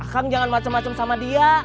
kang jangan macem macem sama dia